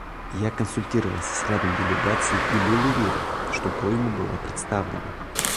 Я консультировался с рядом делегаций и был уверен, что просьба была представлена.